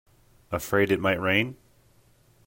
Afraid it might rain?